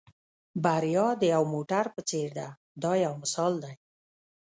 بریا د یو موټر په څېر ده دا یو مثال دی.